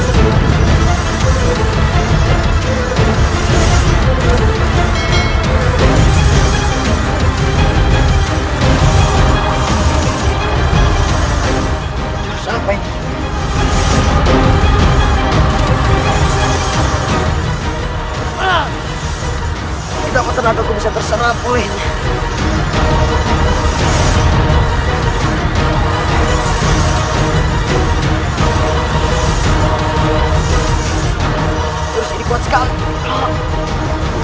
sepertinya dia ada disini